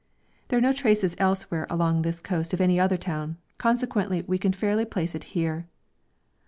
There are no traces elsewhere along this coast of any other town, consequently we can fairly place it here.